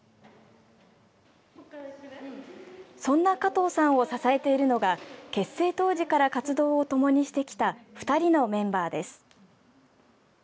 そんな加藤さんを支えているのが結成当時から活動をともにしてきた２人のメンバーです。